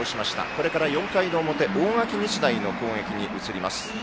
これから４回の表大垣日大の攻撃に移ります。